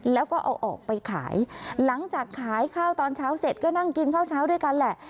แล้วก็เอาออกไปขายหลังจากขายข้าวตอนเช้าเสร็จก็นั่งกินข้าวเช้าด้วยกันแหละ